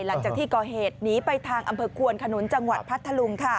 หลังจากที่ก่อเหตุหนีไปทางอำเภอควนขนุนจังหวัดพัทธลุง